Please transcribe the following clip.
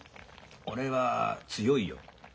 俺は強いよ。